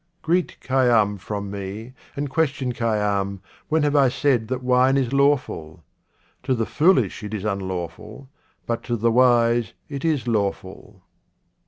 Greet Khayyam from me and question Khay yam, When have I said that wine is lawful ? To the foolish it is unlawful, but to the wise it is lawful.